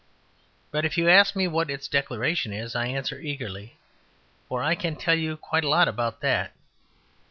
But if you ask me what its Declaration is, I answer eagerly; for I can tell you quite a lot about that.